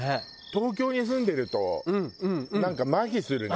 東京に住んでるとなんか麻痺するね。